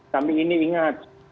kami ini ingat